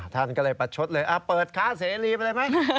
ท่านก็เลยประชดเลยเปิดค้าเสรีไปเลยไหม